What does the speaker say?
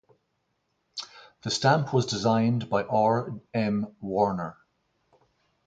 The stamp was designed by R. M. Warner.